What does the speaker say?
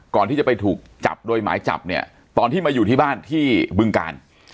ก่อนที่จะไปถูกจับโดยหมายจับเนี่ยตอนที่มาอยู่ที่บ้านที่บึงกาล